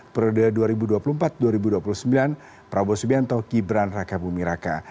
periode dua ribu dua puluh empat dua ribu dua puluh sembilan prabowo subianto gibran raka buming raka